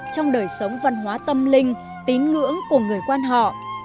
trong đời sống văn hóa tâm linh tín ngưỡng của người quan họ